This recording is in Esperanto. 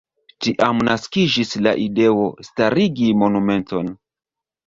Tiam naskiĝis la ideo starigi monumenton.